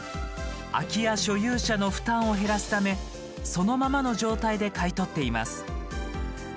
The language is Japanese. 空き家所有者の負担を減らすためそのままの状態で買い取っています。